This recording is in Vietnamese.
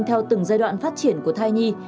theo từng giai đoạn phát triển của thai nhi